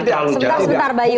sebentar mbak yu